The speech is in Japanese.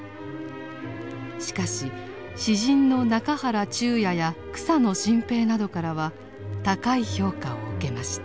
しかし詩人の中原中也や草野心平などからは高い評価を受けました。